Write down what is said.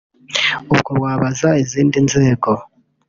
ubwo wabaza izindi nzego